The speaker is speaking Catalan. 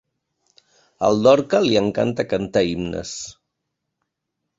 Al Dorca li encanta cantar himnes.